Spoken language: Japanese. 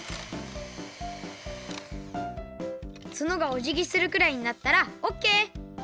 つのがおじぎするくらいになったらオッケー！